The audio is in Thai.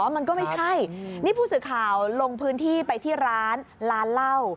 มันก็ไม่ใช่นี่พูดสึกข่าวลงพื้นที่ไปที่ร้านเล่า